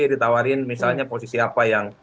ditawarin misalnya posisi apa yang